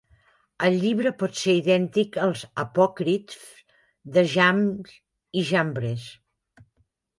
El llibre pot ser idèntic als apòcrifs de Jannes i Jambres.